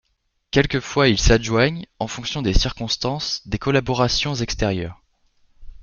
Quelquefois ils s'adjoignent, en fonction des circonstances, des collaborations extérieures.